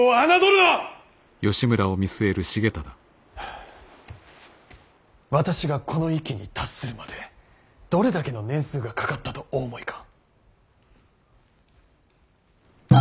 あ私がこの域に達するまでどれだけの年数がかかったとお思いか。